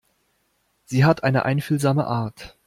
Sie hat eine einfühlsame Art.